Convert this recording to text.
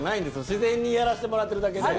自然にやらしてもらってるだけで。